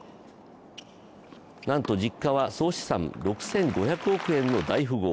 なんと実家は総資産６５００億円の大富豪。